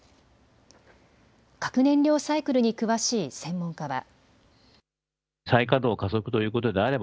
核燃料サイクルに詳しい専門家は。